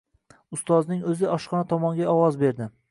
Ustozning o‘zi oshxona tomonga ovoz berdi